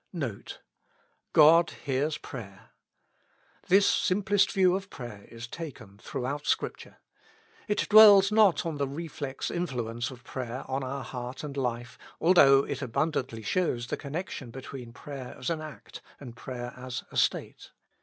NOTE. *' God hears prayer.^' This simplest view of prayer is taken throughout Scripture. It dwells not on the reflex influence of prayer on our heart and Hfe, although it abundantly shows the connection be tween prayer as an act, and prayer as a state.